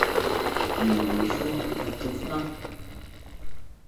¿Ningu xu katjuʼxaá?